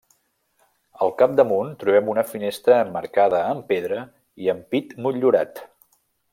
Al capdamunt trobem una finestra emmarcada amb pedra i ampit motllurat.